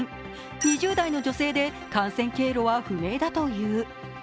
２０代の女性で感染経路は不明だという。